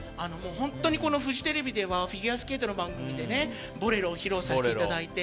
本当にこのフジテレビではフィギュアスケートの番組で「ボレロ」を披露させていただいて。